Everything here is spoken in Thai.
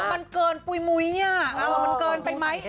มันเกินปุ๋ยมุ้ยมันเกินไปไหม